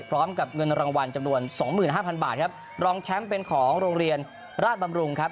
พร้อมกับเงินรางวัลจำนวนสองหมื่นห้าพันบาทครับรองแชมป์เป็นของโรงเรียนราชบำรุงครับ